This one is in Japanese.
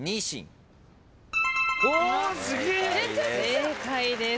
正解です。